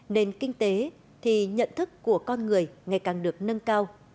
nền kinh tế thì nhận thức của con người ngày càng được nâng cao